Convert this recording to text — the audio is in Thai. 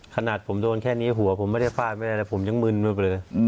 ขนาดผมโดนแค่นี้หัวผมไม่ได้ฟาดไม่ได้อะไรผมยังมึนไปเลย